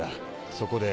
そこで。